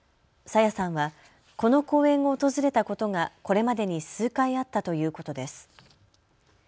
朝芽さんは、この公園を訪れたことがこれまでに数回あったということです。